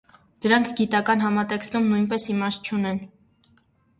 Դրանք գիտական համատեքստում նույնպես իմաստ չունեն։